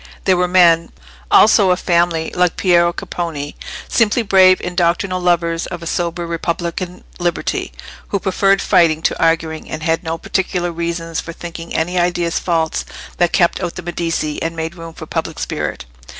There were men, also of family, like Piero Capponi, simply brave undoctrinal lovers of a sober republican liberty, who preferred fighting to arguing, and had no particular reasons for thinking any ideas false that kept out the Medici and made room for public spirit.